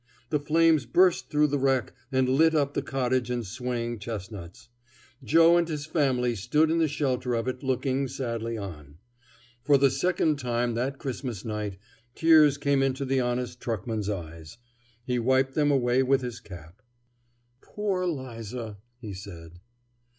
The flames burst through the wreck and lit up the cottage and swaying chestnuts. Joe and his family stood in the shelter of it, looking sadly on. For the second time that Christmas night tears came into the honest truckman's eyes. He wiped them away with his cap. "Poor 'Liza!" he said.